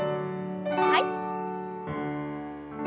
はい。